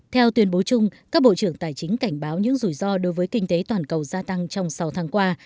theo tuyên bố chung các bộ trưởng tài chính cảnh báo những rủi ro đối với kinh tế toàn cầu gia tăng trong sáu tháng qua